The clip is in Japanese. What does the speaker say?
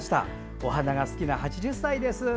お花が好きな８０歳です。